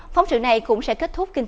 phóng sự này cũng sẽ kết thúc